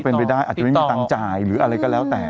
เป็นไปได้อาจจะไม่มีตังค์จ่ายหรืออะไรก็แล้วแต่